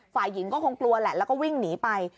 ฝ่ายหญิงก็คงกลัวแหละแล้วก็วิ่งหนีไป